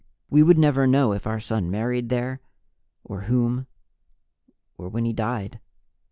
We would never know if our son married there, or whom, or when he died.